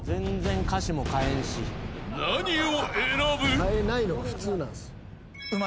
［何を選ぶ？］